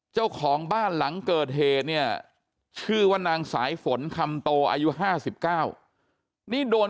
เจ้าของบ้านหลังเกิดเหตุเนี่ยชื่อว่านางสายฝนคำโตอายุ๕๙นี่โดน